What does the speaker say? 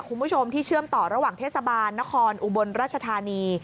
คุณผู้ชมที่เชื่อมต่อระหว่างเทศบาลนครอุบลราชธานี